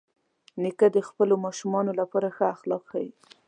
نیکه د خپلو ماشومانو لپاره ښه اخلاق ښيي.